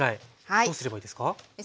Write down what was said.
どうすればいいですか？